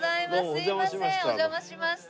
すいませんお邪魔しました。